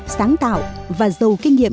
sáng tạo và giàu kinh nghiệm